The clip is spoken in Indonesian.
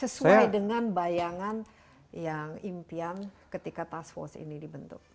sesuai dengan bayangan yang impian ketika task force ini dibentuk